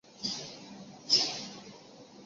其北起荆棘岩礁间的海峡。